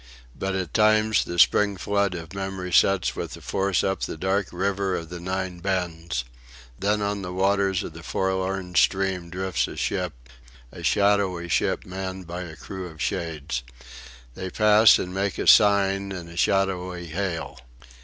But at times the spring flood of memory sets with force up the dark River of the Nine Bends. Then on the waters of the forlorn stream drifts a ship a shadowy ship manned by a crew of Shades. They pass and make a sign, in a shadowy hail.